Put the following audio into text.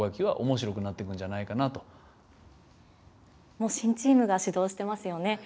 もう新チームが始動してますよね。